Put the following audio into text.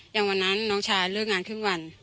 อย่างวันนั้นน้องชายเลิกงานครึ่งวัน